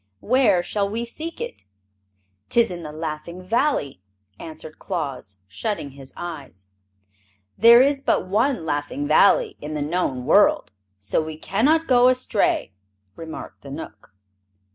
Where shall we seek it?" "'Tis in the Laughing Valley," answered Claus, shutting his eyes. "There is but one Laughing Valley in the known world, so we can not go astray," remarked the Knook.